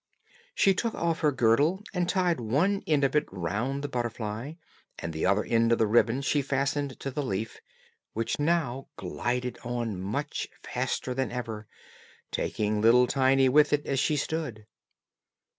She took off her girdle and tied one end of it round the butterfly, and the other end of the ribbon she fastened to the leaf, which now glided on much faster than ever, taking little Tiny with it as she stood.